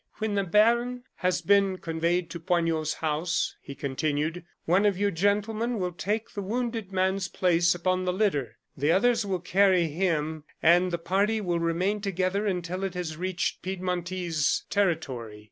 "When the baron has been conveyed to Poignot's house," he continued, "one of you gentlemen will take the wounded man's place upon the litter; the others will carry him, and the party will remain together until it has reached Piedmontese territory.